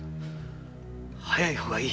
早い方がいい。